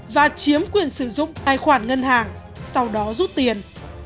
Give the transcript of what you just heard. và chiếm quyền sử dụng tài khoản ngân hàng sau đó rút tiền